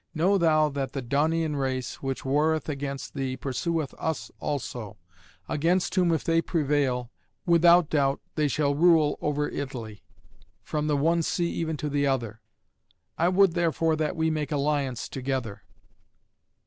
Know thou that the Daunian race, which warreth against thee, pursueth us also; against whom if they prevail, without doubt they shall rule over Italy, from the one sea even to the other. I would, therefore, that we make alliance together."